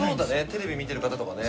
テレビ見てる方とかね